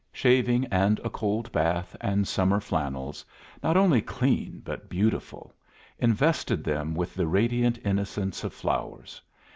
Shaving and a cold bath and summer flannels, not only clean but beautiful, invested them with the radiant innocence of flowers.